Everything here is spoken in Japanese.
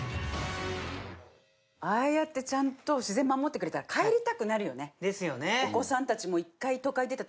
ああやってちゃんと自然守ってくれたら帰りたくなるよねですよね